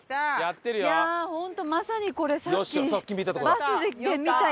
いやあホントまさにこれさっき。